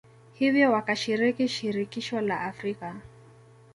hivyo wakashiriki Shirikisho la Afrika